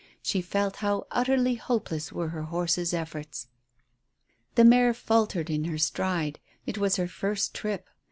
She felt how utterly hopeless were her horse's efforts. The mare faltered in her stride; it was her first trip.